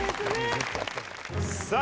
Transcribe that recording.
さあ